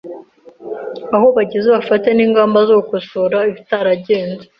aho bageze bafate n’ingamba zo gukosora ibitaragenze